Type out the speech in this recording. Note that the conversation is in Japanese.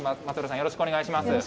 松原さん、よろしくお願いします。